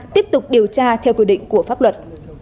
tiếp tục điều tra theo quy định của pháp luật